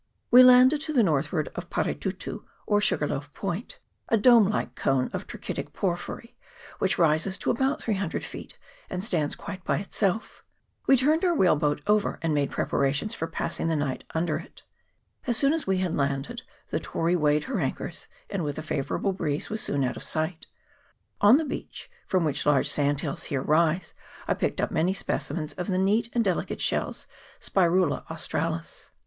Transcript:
We landed to the northward of Paretutu, or Sugarloaf Point, a dome like cone of trachitic por phyry, which rises to about 300$feet, and stands quite by itself. We turned our whale boat over, and made preparations for passing the first night under it. As soon as we had landed the Tory weighed her anchors, and, with a favourable breeze, was soon out of sight. On the beach, from which large sand hills here rise, I picked up many specimens of the neat and delicate shells Spirula australis.